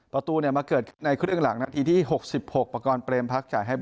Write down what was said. ประตูเนี่ยมาเกิดในครึ่งหลังนาทีที่๖๖ประกอบเปรมพักจ่ายให้